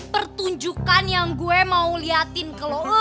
pertunjukan yang gue mau liatin ke loh